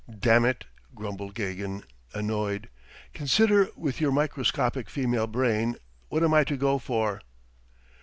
"Damn it," grumbled Gagin, annoyed. "Consider with your microscopic female brain, what am I to go for?"